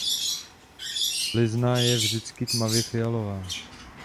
Blizna je vždy tmavě fialová.